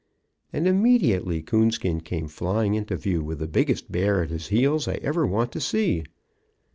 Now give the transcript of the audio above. And immediately Coonskin came flying into view with the biggest bear at his heels I ever want to see.